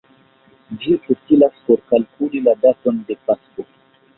Ĝi utilas por kalkuli la daton de Pasko.